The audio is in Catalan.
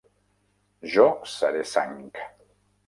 Jo seré Sang.